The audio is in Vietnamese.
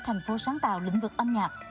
thành phố sáng tạo lĩnh vực âm nhạc